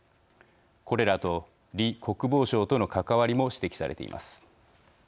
これらと李国防相との関わりも指摘されています。